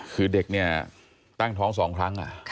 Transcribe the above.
คือเด็กเนี่ยตั้งท้อง๒ครั้ง